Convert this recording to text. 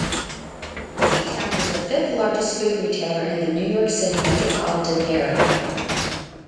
C-Town is the fifth-largest food retailer in the New York City metropolitan area.